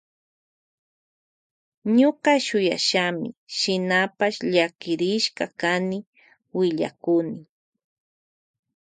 Ñuka shuyashami shinapash llakirishka kani willakuni.